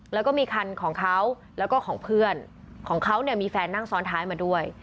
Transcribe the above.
แล้วก็มีคันของเขาแล้วก็ของเพื่อนของเขาเนี่ยมีแฟนนั่งซ้อนท้ายมาด้วย